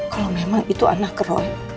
kalau memang itu anak keron